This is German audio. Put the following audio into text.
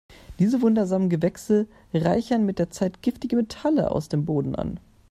Diese wundersamen Gewächse reichern mit der Zeit giftige Metalle aus dem Boden an.